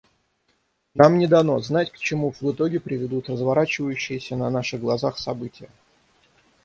Нам не дано знать, к чему в итоге приведут разворачивающиеся на наших глазах события.